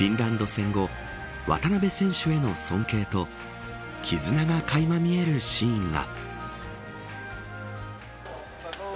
戦後渡邊選手への尊敬と絆がかいま見えるシーンが。